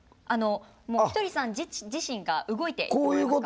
ひとりさん自身が動いてもらえますか？